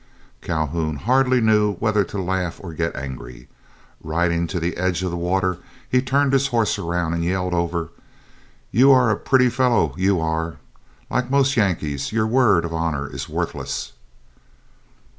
Calhoun hardly knew whether to laugh or get angry. Riding to the edge of the water, he turned his horse around, and yelled over, "You are a pretty fellow, you are! Like most Yankees, your word of honor is worthless."